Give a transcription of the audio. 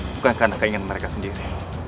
bukan karena keinginan mereka sendiri